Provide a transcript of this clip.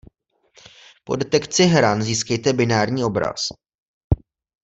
Po detekci hran získejte binární obraz.